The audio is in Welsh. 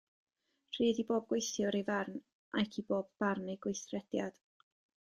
Rhydd i bob gweithiwr ei farn, ac i bob barn ei gweithrediad.